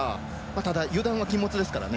ただ、油断は禁物ですからね。